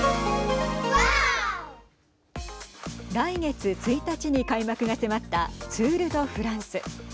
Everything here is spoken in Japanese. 来月１日に開幕が迫ったツール・ド・フランス。